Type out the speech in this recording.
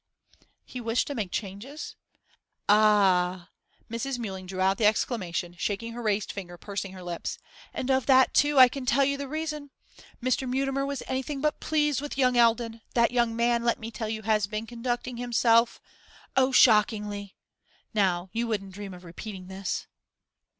'He wished to make changes?' 'Ah!' Mrs. Mewling drew out the exclamation, shaking her raised finger, pursing her lips. 'And of that, too, I can tell you the reason. Mr. Mutimer was anything but pleased with young Eldon. That young man, let me tell you, has been conducting himself oh, shockingly! Now you wouldn't dream of repeating this?